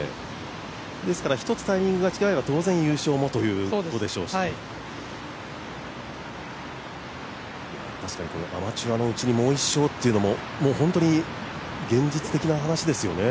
ですから１つタイミングが違えば当然、優勝もということでしょうし、アマチュアのうちにもう１勝っていうのも、本当に現実的な話ですよね。